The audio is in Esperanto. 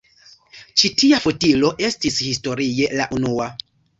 Ĉi tia fotilo estis historie la unua.